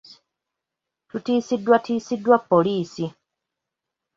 Tutiisiddwatiisiddwa poliisi.